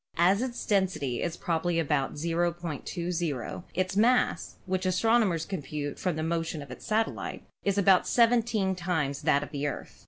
As its density is probably about 0.20, its mass, which astronomers compute from the motion of its satellite, is about seventeen times that of the Earth.